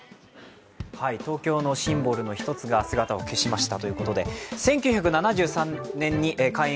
東京のシンボルの１つが姿を消しました。